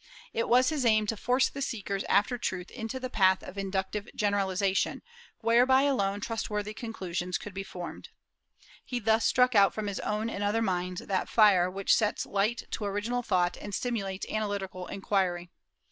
It was his aim to force the seekers after truth into the path of inductive generalization, whereby alone trustworthy conclusions could be formed. He thus struck out from his own and other minds that fire which sets light to original thought and stimulates analytical inquiry.